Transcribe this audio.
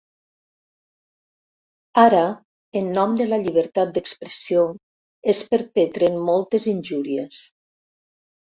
Ara, en nom de la llibertat d'expressió, es perpetren moltes injúries.